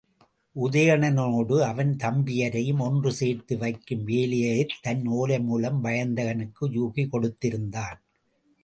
உதயணனோடு அவன் தம்பியரையும் ஒன்று சேர்த்து வைக்கும் வேலையைத் தன் ஓலைமூலம் வயந்தகனுக்கு யூகி கொடுத்திருந்தான்.